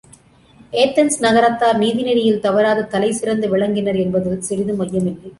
Athens நகரத்தார் நீதி நெறியில் தவறாது தலைசிறந்து விளங்கினர் என்பதில் சிறிதும் ஐயமில்லை.